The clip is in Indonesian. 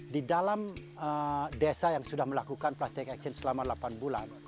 di dalam desa yang sudah melakukan plastik action selama delapan bulan